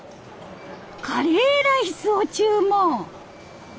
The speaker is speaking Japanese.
カレーライスを注文。